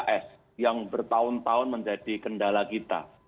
misalnya perbaikan dtks yang bertahun tahun menjadi kendala kita